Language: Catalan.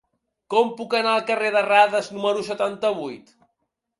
Com puc anar al carrer de Radas número setanta-vuit?